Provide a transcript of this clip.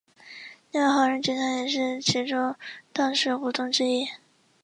另外华润集团也是其中当时股东之一。